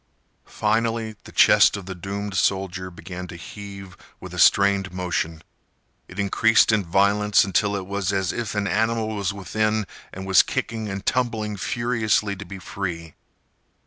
Finally, the chest of the doomed soldier began to heave with a strained motion. It increased in violence until it was as if an animal was within and was kicking and tumbling furiously to be free.